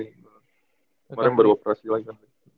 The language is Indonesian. kemarin baru operasi lagi